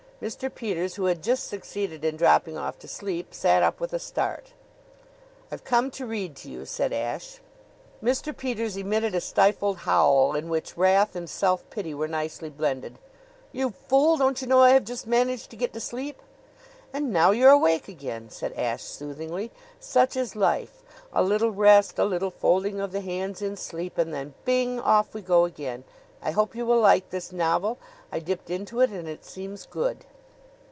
Mr. Peters, who had just succeeded in dropping off to sleep, sat up with a start. "I've come to read to you," said Ashe. Mr. Peters emitted a stifled howl, in which wrath and self pity were nicely blended. "You fool, don't you know I have just managed to get to sleep?" "And now you're awake again," said Ashe soothingly. "Such is life! A little rest, a little folding of the hands in sleep, and then bing! off we go again. I hope you will like this novel. I dipped into it and it seems good."